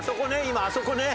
今あそこね」